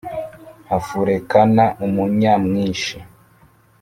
Afurekana umunya mwinshi!